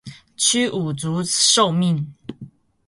屈武遂受命。